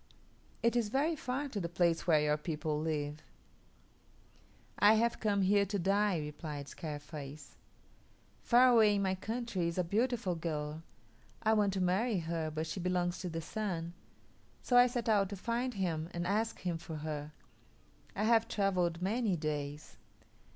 It is very far to the place where your people live." "I have come here to die," replied Scarface. "Far away in my country is a beautiful girl. I want to marry her, but she belongs to the Sun; so I set out to find him and ask him for her. I have travelled many days.